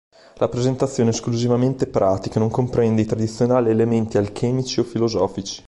La presentazione è esclusivamente pratica, e non comprende i tradizionali elementi alchemici o filosofici.